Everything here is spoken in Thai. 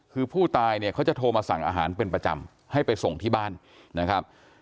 คือผู้ตายเนี่ยเขาจะโทรมาสั่งอาหารเป็นประจำให้ไปส่งที่บ้านนะครับ